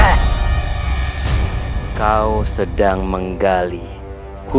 ingin merobek robek jantung anak itu